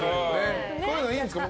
そういうのいいんですか？